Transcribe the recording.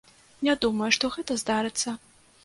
Не думаю, што гэта здарыцца.